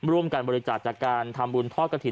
ร่วมการบริจาคจากการทำบุญทอดกระถิ่น